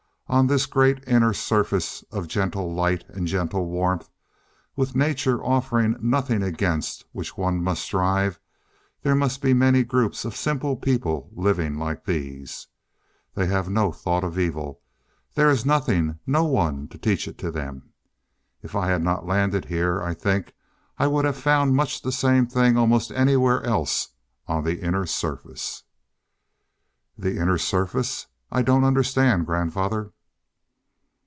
On this great Inner Surface of gentle light and gentle warmth with Nature offering nothing against which one must strive there must be many groups of simple people like these. They have no thought of evil there is nothing no one, to teach it to them. If I had not landed here, I think I would have found much the same thing almost anywhere else on the Inner Surface." "The Inner Surface? I don't understand, grandfather."